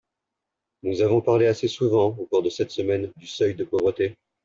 Nous avons parlé assez souvent, au cours de cette semaine, du seuil de pauvreté.